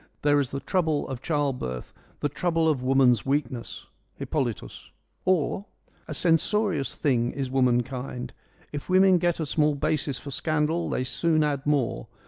There is the trouble of child birth, the trouble of woman's weakness.' — (Hippolytus.) or —' A censorious thing is womankind. If women get a small basis for scandal they soon add more.